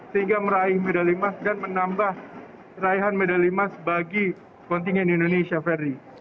sehingga meraih medali emas dan menambah raihan medali emas bagi kontingen indonesia ferdi